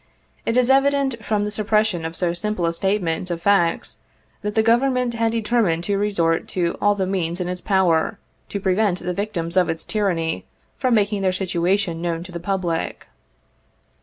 It is evident from the suppression of so simple a statement of facts, that the Government had determined to resort to all the means in its power, to prevent the victims of its tyranny from making their situation known to the public.